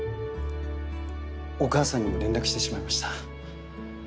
お母さんにも連絡してしまいました。